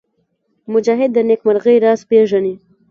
مجاهد د نېکمرغۍ راز پېژني.